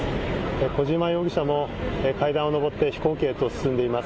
小島容疑者も階段を上って飛行機へと進んでいます。